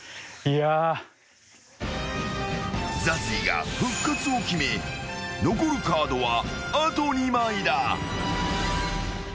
［ＺＡＺＹが復活を決め残るカードはあと２枚だ］